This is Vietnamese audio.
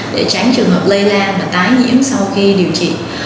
để tránh trường hợp lây lan và tái nhiễm sau khi điều trị